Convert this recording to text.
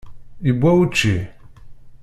Yewwa wučči?